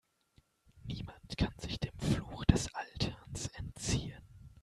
Niemand kann sich dem Fluch des Alterns entziehen.